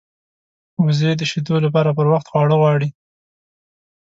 وزې د شیدو لپاره پر وخت خواړه غواړي